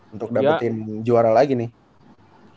untuk dapetin juara lagi nih